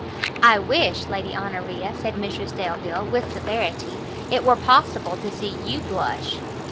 "I wish, Lady Honoria," said Mrs Delvile, with severity, "it were possible to see you blush!"